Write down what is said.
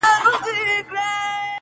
دا هوښیاري نه غواړم. عقل ناباب راکه.